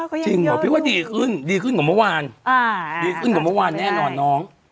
ก็ยังดีขึ้นกว่าเมื่อวานอ่าดีขึ้นกว่าเมื่อวานแน่นอนน้อง